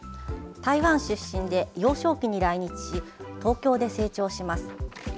台湾出身で、幼少期に来日し東京で成長します。